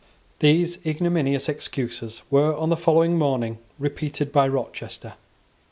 These ignominious excuses were, on the following morning, repeated by Rochester.